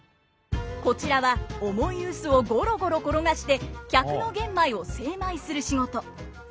こちらは重い臼をゴロゴロ転がして客の玄米を精米する仕事。